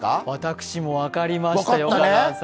私も分かりましたよ。